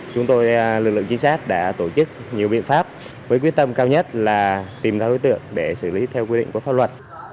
chúng tôi lực lượng trinh sát đã tổ chức nhiều biện pháp với quyết tâm cao nhất là tìm ra đối tượng để xử lý theo quy định của pháp luật